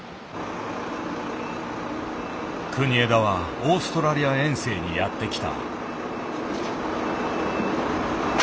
国枝はオーストラリア遠征にやって来た。